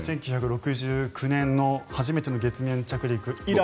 １９６９年の初めての月面着陸以来。